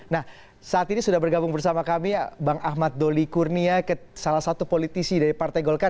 nah saat ini sudah bergabung bersama kami bang ahmad doli kurnia salah satu politisi dari partai golkar